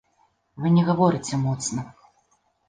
Вы не гаварыце моцна.